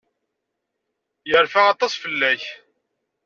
Yerfa aṭas fell-ak.